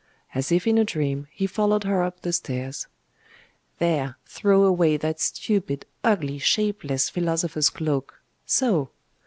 As if in a dream, he followed her up the stairs. 'There, throw away that stupid, ugly, shapeless philosopher's cloak. So!